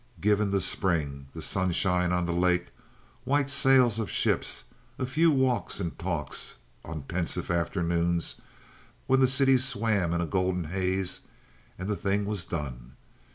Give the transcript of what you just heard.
Given the spring, the sunshine on the lake, white sails of ships, a few walks and talks on pensive afternoons when the city swam in a golden haze, and the thing was done.